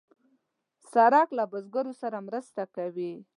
سړک له بزګرو سره مرسته کوي.